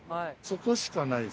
そこしかない。